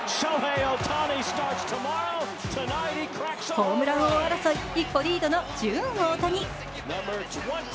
ホームラン王争い、一歩リードのジューン大谷。